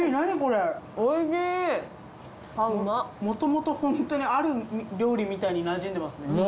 もともとホントにある料理みたいになじんでますね。